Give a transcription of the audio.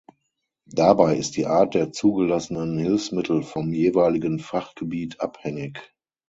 Dabei ist die Art der zugelassenen Hilfsmittel vom jeweiligen Fachgebiet abhängig.